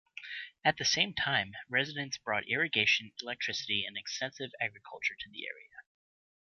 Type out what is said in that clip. At the same time residents brought irrigation, electricity, and extensive agriculture to the area.